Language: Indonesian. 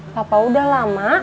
papa udah lama